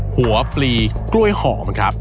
หัวปลีกล้วยหอมครับ